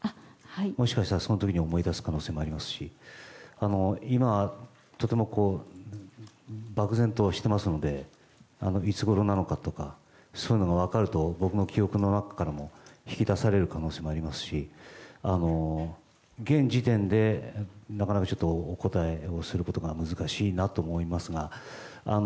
もしかしたら、その時に思い出す可能性もありますし今、とても漠然としていますのでいつごろなのかとかそういうのが分かると僕も記憶の中からも引き出される可能性もありますし現時点でなかなかお答えすることが難しいなと思いますが。